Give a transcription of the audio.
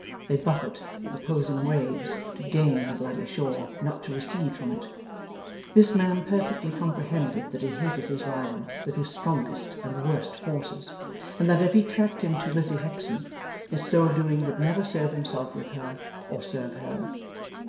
They buffet with opposing waves, to gain the bloody shore, not to recede from it. This man perfectly comprehended that he hated his rival with his strongest and worst forces, and that if he tracked him to Lizzie Hexam, his so doing would never serve himself with her, or serve her.